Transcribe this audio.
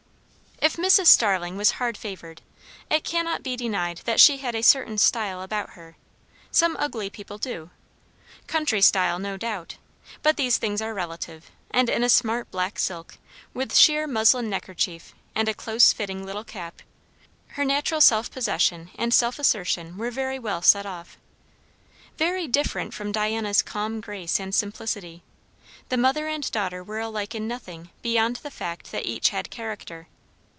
If Mrs. Starling was hard favoured, it cannot be denied that she had a certain style about her. Some ugly people do. Country style, no doubt; but these things are relative; and in a smart black silk, with sheer muslin neckerchief and a close fitting little cap, her natural self possession and self assertion were very well set off. Very different from Diana's calm grace and simplicity; the mother and daughter were alike in nothing beyond the fact that each had character.